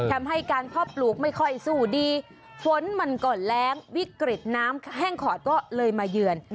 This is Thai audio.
ทำให้การเพาะปลูกไม่ค่อยสู้ดีฝนมันก่อนแรงวิกฤตน้ำแห้งขอดก็เลยมาเยือน